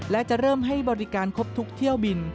และจะเริ่มให้บริการครบทุกเที่ยวบิน